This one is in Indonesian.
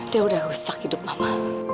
dia udah rusak hidup apa